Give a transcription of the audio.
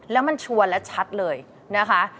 แล้วมันชวนและชัดเลยนะคะ